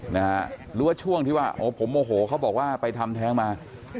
หรือว่าช่วงที่ว่าโอ้ผมโมโหเขาบอกว่าไปทำแท้งมา